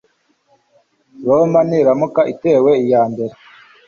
roma niramuka itewe iyambere